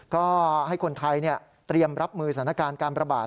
ก็ให้คนไทยเตรียมรับมือสถานการณ์การประบาด